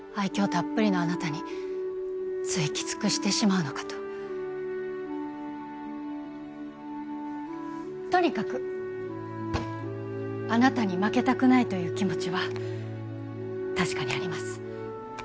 たっぷりのあなたについキツくしてしまうのかととにかくあなたに負けたくないという気持ちは確かにあります